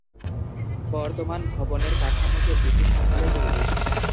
বর্তমান ভবনের কাঠামোটি ব্রিটিশ আমলে তৈরি।